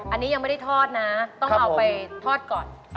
อันนี้ยังไม่ได้ทอดนะต้องเอาไปทอดก่อน